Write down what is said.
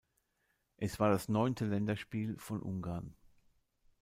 Es war das neunte Länderspiel von Ungarn.